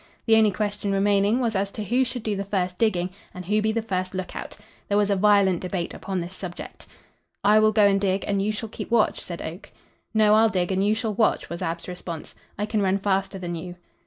The only question remaining was as to who should do the first digging and who be the first lookout? There was a violent debate upon this subject. "I will go and dig and you shall keep watch," said Oak. "No, I'll dig and you shall watch," was Ab's response. "I can run faster than you."